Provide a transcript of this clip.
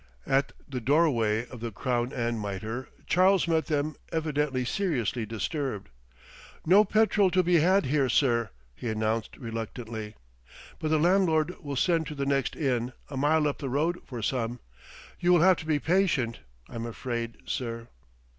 At the doorway of the Crown and Mitre, Charles met them evidently seriously disturbed. "No petrol to be had here, sir," he announced reluctantly; "but the landlord will send to the next inn, a mile up the road, for some. You will have to be patient, I'm afraid, sir."